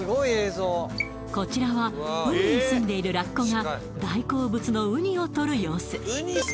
こちらは海にすんでいるラッコが大好物のウニをとる様子